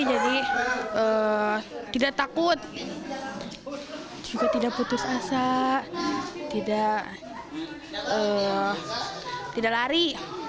jadi tidak takut juga tidak putus asa tidak lari